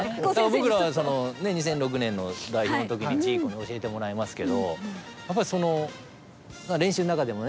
僕らは２００６年の代表の時にジーコに教えてもらいますけどやっぱりその練習の中でもね